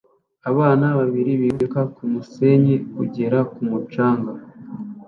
Abana babiri biruka kumusenyi kugera ku mucanga